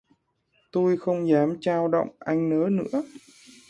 Tui không dám chao động anh nớ nữa